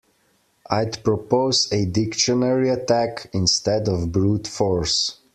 I'd propose a dictionary attack instead of brute force.